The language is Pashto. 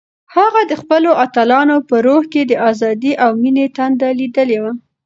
هغه د خپلو اتلانو په روح کې د ازادۍ او مینې تنده لیدلې وه.